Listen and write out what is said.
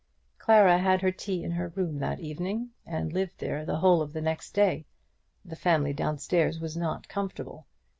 Clara had her tea in her room that evening, and lived there the whole of the next day. The family down stairs was not comfortable.